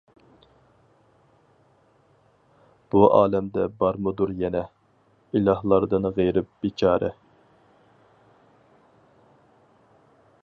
بۇ ئالەمدە بارمىدۇر يەنە، ئىلاھلاردىن غېرىب، بىچارە.